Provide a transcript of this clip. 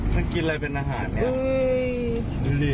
มันกินอะไรเป็นอาหารนี่